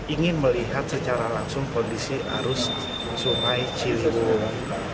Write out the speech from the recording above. ingin melihat secara langsung kondisi arus sungai ciliwung